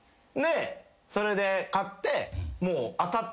それで買って。